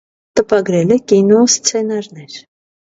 Տպագրել է կինոսցենարներ։